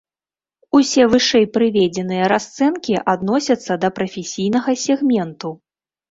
Усе вышэй прыведзеныя расцэнкі адносяцца да прафесійнага сегменту.